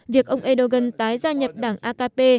việc ông erdogan tái gia nhập đảng akp